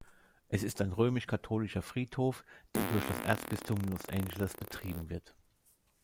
Es ist ein römisch-katholischer Friedhof, der durch das Erzbistum Los Angeles betrieben wird.